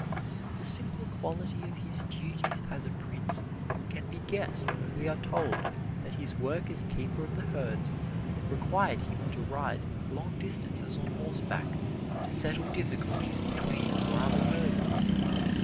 The simple quality of his duties as a prince can be guessed when we are told that his work as keeper of the herds required him to ride long distances on horseback to settle difficulties between rival herders.